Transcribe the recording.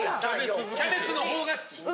キャベツの方が好き。